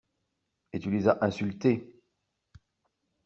Et tu les as insultés.